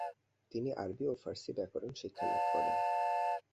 তিনি আরবি ও ফারসি ব্যাকরণ শিক্ষালাভ করেন।